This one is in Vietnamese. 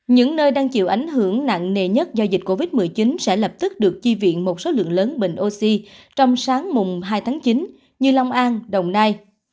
những nơi đang chịu ảnh hưởng nặng nề nhất do dịch covid một mươi chín sẽ lập tức được chi viện một số lượng lớn bình oxy trong sáng mùng hai tháng chín như long an đồng nai